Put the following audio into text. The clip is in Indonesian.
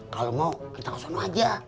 kalau mau kita kesana aja